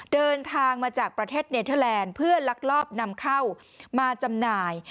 เดินทางมาจากประเทศเนเทอร์แลนด์เพื่อลักลอบนำเข้ามาจำหน่าย